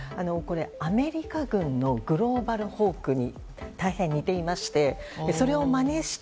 アメリカ軍のグローバルホークに大変似ていましてそれをまねして